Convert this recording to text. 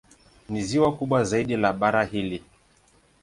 Ni ziwa kubwa zaidi la bara hili.